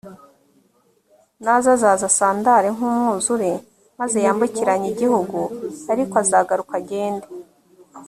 naza azaza asandare nk umwuzure maze yambukiranye igihugu ariko azagaruka agende